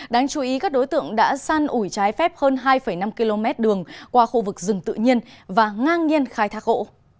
đáng chú ý các đối tượng đã săn ủi trái phép hơn hai năm km đường qua khu vực rừng tự nhiên và ngang nhiên khai thác gỗ